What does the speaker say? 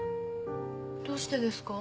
どうしてですか？